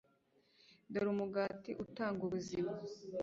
dore umugati utanga ubuzima